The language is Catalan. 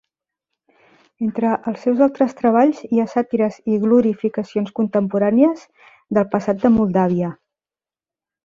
Entre els seus altres treballs hi ha sàtires i glorificacions contemporànies del passat de Moldàvia.